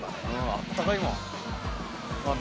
あったかいもん。